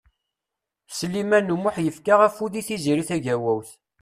Sliman U Muḥ yefka afud i Tiziri Tagawawt.